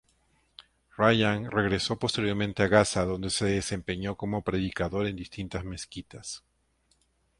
Rayan regresó posteriormente a Gaza donde se desempeñó como predicador en distintas mezquitas.